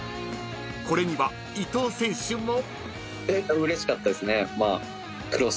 ［これには伊東選手も］